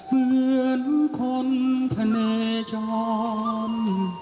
เหมือนคนพะเนยจอม